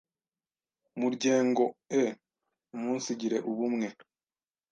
m urye n g o” e) Umunsigire ubumwe,